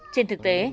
trên thực tế